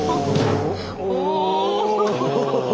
お。